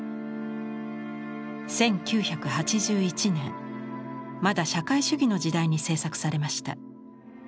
１９８１年まだ社会主義の時代に制作されました。